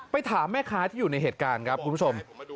ถามแม่ค้าที่อยู่ในเหตุการณ์ครับคุณผู้ชม